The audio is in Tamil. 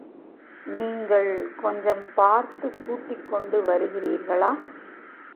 நீங்கள் கொஞ்சம் பார்த்துக் கூட்டிக் கொண்டு வருகிறீர்களா?